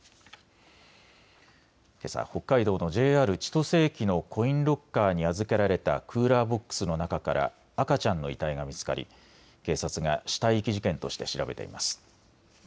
けさ北海道のＪＲ千歳駅のコインロッカーに預けられたクーラーボックスの中から赤ちゃんの遺体が見つかり警察が死体遺棄事件として調べています。